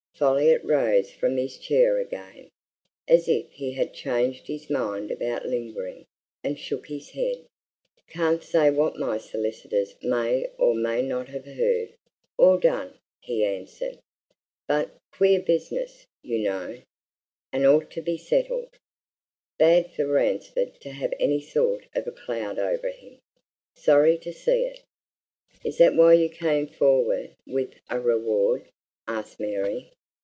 Folliot rose from his chair again, as if he had changed his mind about lingering, and shook his head. "Can't say what my solicitors may or may not have heard or done," he answered. "But queer business, you know and ought to be settled. Bad for Ransford to have any sort of a cloud over him. Sorry to see it." "Is that why you came forward with a reward?" asked Mary.